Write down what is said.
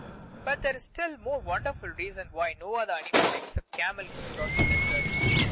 But there is a still more wonderful reason why no other animal, except a camel, could cross a desert.